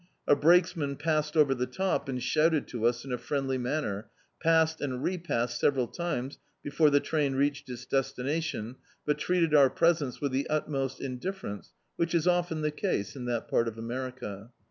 A brakesman passed over the top, and shouted to us in a friendly manner; passed and re passed several times before the train reached its destination, but treated our presence with the utmost indifference, whidi is often the case in that part of America.